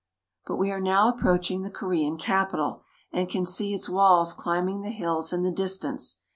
But we are now approaching the Korean capital, and can see its walls climbing the hills in the distance.